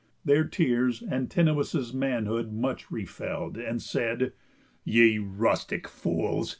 Their tears Antinous' manhood much refell'd, And said: "Ye rustic fools!